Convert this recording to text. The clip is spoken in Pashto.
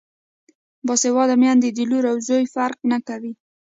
باسواده میندې د لور او زوی فرق نه کوي.